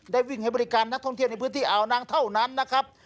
ได้วิ่งให้บริการนักท่องเที่ยวในพื้นที่อ่าวนางเท่านั้นนะครับ